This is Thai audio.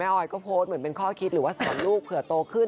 ออยก็โพสต์เหมือนเป็นข้อคิดหรือว่าสอนลูกเผื่อโตขึ้น